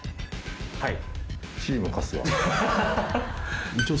はい。